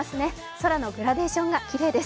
空のグラデーションがきれいです。